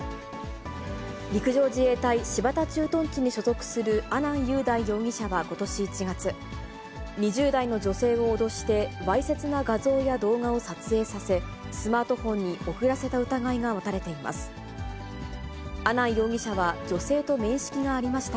陸上自衛隊新発田駐屯地に所属する阿南雄大容疑者はことし１月、２０代の女性を脅して、わいせつな画像や動画を撮影させ、スマートフォンに送らせた疑いが持たれています。